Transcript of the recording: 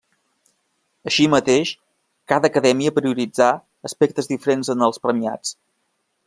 Així mateix, cada acadèmia prioritzà aspectes diferents en els premiats.